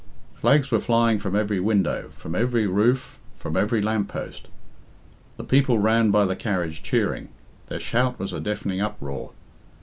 Flags were flying from every window, from every roof, from every lamp post. The people ran by the carriage cheering. Their shout was a deafening uproar.